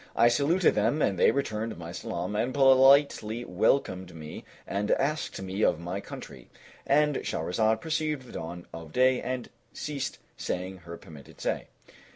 I saluted them and they returned my salam; and politely welcomed me and asked me of my country And Shahrazad perceived the dawn of day and ceased saying her permitted say.